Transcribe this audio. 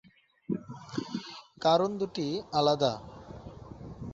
কারণ দুইটি আলাদা।